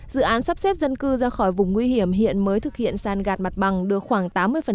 dự án sắp xếp dân cư ra khỏi vùng nguy hiểm hiện mới thực hiện san gạt mặt bằng được khoảng tám mươi